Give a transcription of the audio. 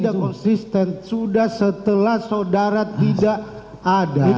tidak konsisten sudah setelah saudara tidak ada